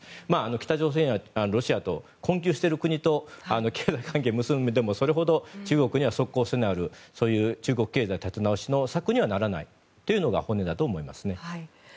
北朝鮮はロシアと困窮している国と経済関係を結んでもそれほど即効性のある中国経済立て直しの策にはならないというのが本音だと思います。